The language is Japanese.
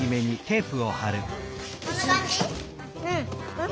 うん。